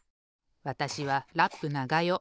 わたしはラップながよ。